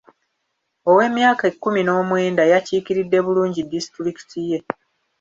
Ow'emyaka ekkumi n'omwenda yakiikiridde bulungi disitulikiti ye.